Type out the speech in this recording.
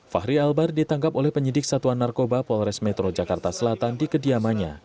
fahri albar ditangkap oleh penyidik satuan narkoba polres metro jakarta selatan di kediamannya